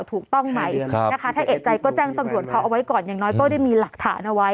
ถูกต้องไหมนะคะถ้าเอกใจก็แจ้งตำรวจเขาเอาไว้ก่อนอย่างน้อยก็ได้มีหลักฐานเอาไว้